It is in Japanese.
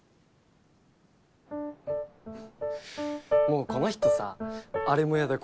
もうこの人さあれも嫌だ